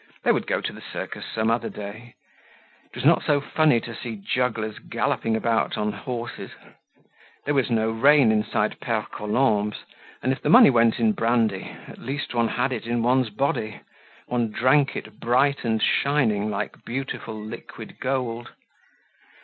They would go to the circus some other day; it was not so funny to see jugglers galloping about on horses. There was no rain inside Pere Colombe's and if the money went in brandy, one at least had it in one's body; one drank it bright and shining like beautiful liquid gold.